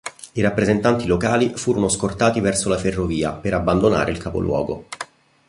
I rappresentanti locali furono scortati verso la ferrovia per abbandonare il capoluogo.